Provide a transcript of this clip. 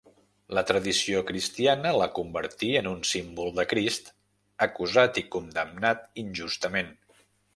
La tradició cristiana la convertí en un símbol de Crist, acusat i condemnat injustament.